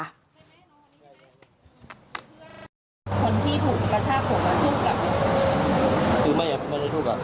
สักพักก็หายไปกันเรื่องเงินแล้วก็กลายเป็นว่ามีเหตุทำร้ายร่างกายกันอีกรอบหนึ่งค่ะ